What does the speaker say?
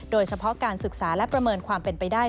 โดยเฉพาะการศึกษาและประเมินความเป็นไปได้